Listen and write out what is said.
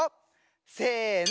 せの！